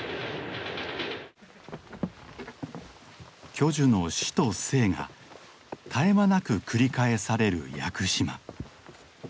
巨樹の死と生が絶え間なく繰り返される屋久島。